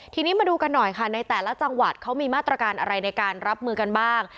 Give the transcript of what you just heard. ทีนี้มาดูกันหน่อยค่ะในแต่ละจังหวัดเขามีมาตรการอะไรในการรับมือกันบ้าง